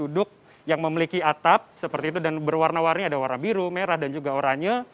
duduk yang memiliki atap seperti itu dan berwarna warni ada warna biru merah dan juga oranye